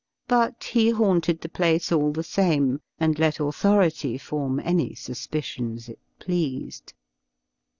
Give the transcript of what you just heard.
But he haunted the place, all the same, and let authority form any suspicions it pleased.